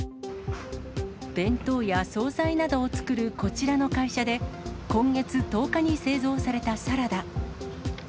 弁当や総菜などを作るこちらの会社で、今月１０日に製造されたサラダ。